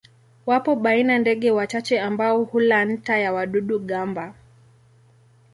Wapo baina ndege wachache ambao hula nta ya wadudu-gamba.